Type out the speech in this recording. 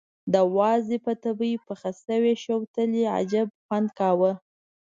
د وازدې په تبي کې پخې شوې شوتلې عجب خوند کاوه.